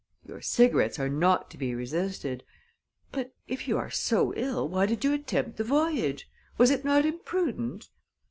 "Your cigarettes are not to be resisted. But if you are so ill, why did you attempt the voyage? Was it not imprudent?"